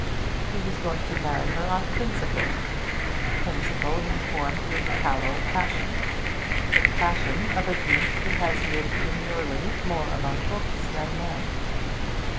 He was going to marry her on principle principle informed with callow passion, the passion of a youth who has lived demurely, more among books than men.